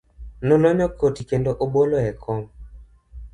Nolonyo koti kendo obolo e kom.